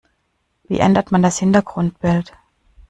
Wie ändert man das Hintergrundbild?